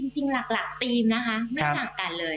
จริงหลักธีมนะคะไม่ต่างกันเลย